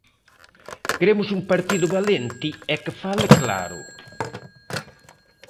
Queremos un partido valente e que fale claro.